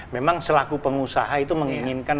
memang selaku pengusaha itu menginginkan